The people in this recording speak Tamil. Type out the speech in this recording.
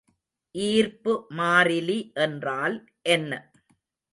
ஈர்ப்பு மாறிலி என்றால் என்ன?